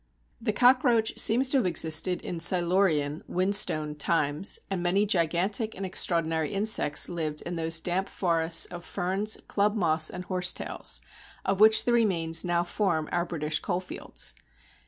The cockroach seems to have existed in Silurian (whinstone) times, and many gigantic and extraordinary insects lived in those damp forests of ferns, club moss, and horsetails, of which the remains now form our British coalfields.